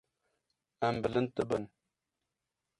Em bilind dibin.